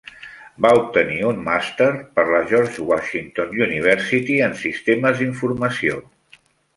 Va obtenir un màster per la George Washington University en Sistemes d'Informació.